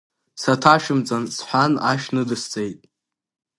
Саҭашәымҵан, – сҳәан, ашә ныдысҵеит.